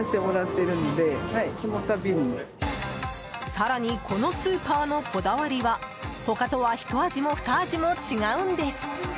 更にこのスーパーのこだわりは他とはひと味もふた味も違うんです。